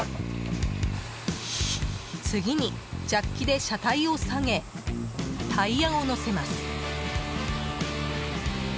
次にジャッキで車体を下げタイヤを載せます。